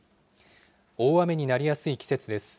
大雨になりやすい季節です。